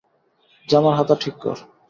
জামার হাতা ঠিক কর।